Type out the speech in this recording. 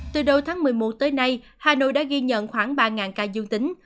từ đầu tháng một mươi một tới nay hà nội đã ghi nhận khoảng ba ca dương tính